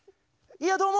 いやどうも。